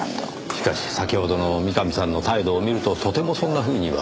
しかし先ほどの三上さんの態度を見るととてもそんなふうには。